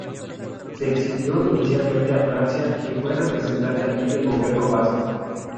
Se exilió inicialmente a Francia y fue representante allí del Gobierno Vasco.